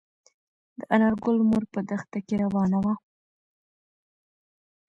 د انارګل مور په دښته کې روانه وه.